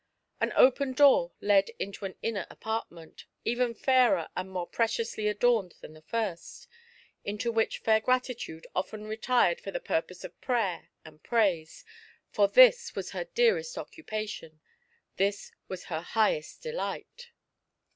An open door led into an inner apartment^ even fairer and more preciously adorned than the fiist^' into which Fair Gratitude often retired for the purpoee of prayer and praise; for this was her dearest occupation, this was her highest delight.